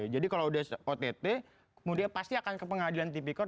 jadi kalau udah ott kemudian pasti akan ke pengadilan tipikor